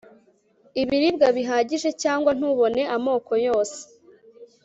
ibiribwa bihagije cyangwa ntubone amoko yose